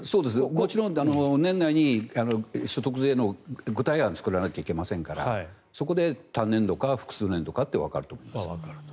もちろん年内に所得税の具体案を作らないといけないのでそこで単年度か複数年度かってわかると思います。